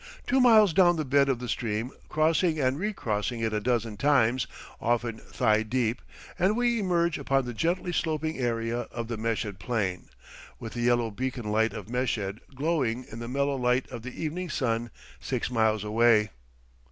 Two miles down the bed of the stream, crossing and recrossing it a dozen times, often thigh deep, and we emerge upon the gently sloping area of the Meshed Plain, with the yellow beacon light of Meshed glowing in the mellow light of the evening sun six miles away.